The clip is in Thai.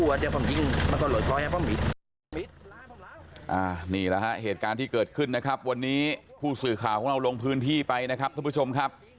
นี่แหละฮะเหตุการณ์ที่เกิดขึ้นนะครับวันนี้ผู้สื่อข่าวของเราลงพื้นที่ไปนะครับท่านผู้ชมครับ